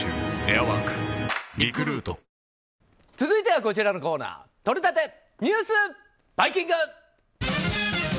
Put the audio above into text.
続いてはこちらのコーナーとれたて！